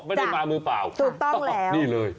ไม่ได้มามือเปล่าครับนี่เลยค่ะถูกต้องแล้ว